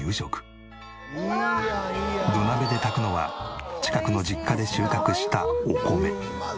土鍋で炊くのは近くの実家で収穫したお米。